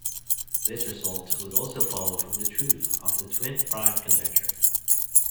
This result would also follow from the truth of the twin prime conjecture.